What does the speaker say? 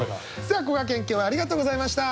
さあこがけん今日はありがとうございました。